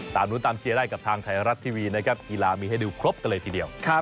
นุ้นตามเชียร์ได้กับทางไทยรัฐทีวีนะครับกีฬามีให้ดูครบกันเลยทีเดียว